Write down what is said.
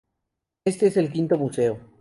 Este es el quinto museo.